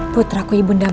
putra ku ibu nda mohon